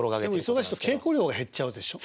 でも忙しいと稽古量が減っちゃうでしょ。